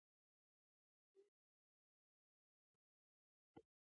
د جنګسالارانو جیب ته د کمېشن او شریني ورکول.